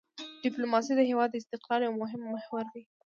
ډیپلوماسي د هېواد د استقلال یو مهم محور دی.